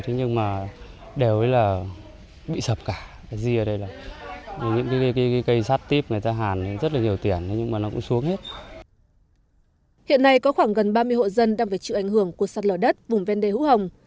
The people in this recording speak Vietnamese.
hiện nay có khoảng gần ba mươi hộ dân đang phải chịu ảnh hưởng của sạt lở đất vùng ven đê hữu hồng